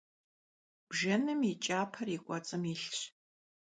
Бжэным и кӀапэр и кӀуэцӀым илъщ.